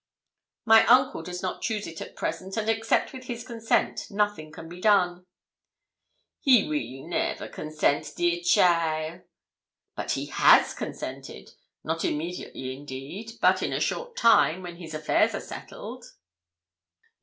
'My uncle does not choose it at present; and except with his consent nothing can be done!' 'He weel never consent, dear cheaile.' 'But he has consented not immediately indeed, but in a short time, when his affairs are settled.'